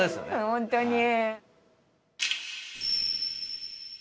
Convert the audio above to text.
本当に。